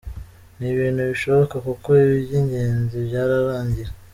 Ni ibintu bishoboka kuko iby’ingenzi byararangiye.